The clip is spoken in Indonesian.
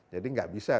jadi gak bisa